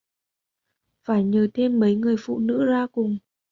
phải nhờ thêm mấy người phụ nữ ra cùng